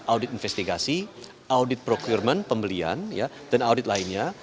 audit investigasi audit procurement pembelian dan audit lainnya